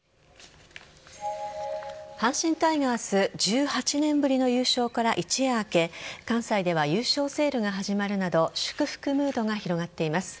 阪神タイガース１８年ぶりの優勝から一夜明け関西では優勝セールが始まるなど祝福ムードが広がっています。